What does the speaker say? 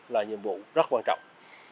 là nhiệm vụ rất quan trọng